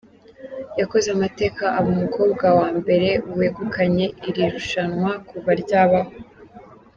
Yakoze amateka aba umukobwa wa mbere wegukanye iri rushanwa kuva ryabaho.